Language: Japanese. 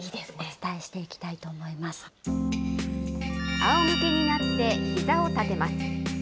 あおむけになってひざを立てます。